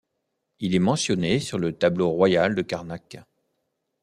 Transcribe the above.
Il est mentionné sur le tableau royal de Karnak.